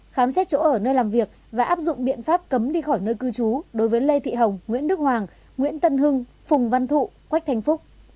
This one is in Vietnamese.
khám xét chỗ ở nơi làm việc và áp dụng biện pháp cấm đi khỏi nơi cư trú đối với lê thị hồng nguyễn đức hoàng nguyễn tân hưng phùng văn thụ quách thanh phúc